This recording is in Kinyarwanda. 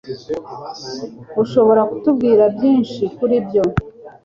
Ushobora kutubwira byinshi kuri ibyo?